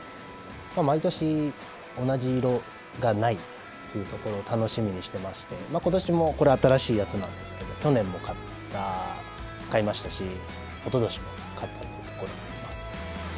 毎年同じ色がないのを楽しみにしてまして今年も、これは新しいやつなんですけど去年も買いましたしおととしも買ったというところがあります。